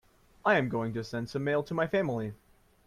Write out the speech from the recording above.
I am going to send some mail to my family.